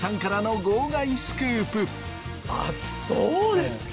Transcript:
あっそうですか。